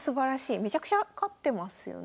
めちゃくちゃ勝ってますよね。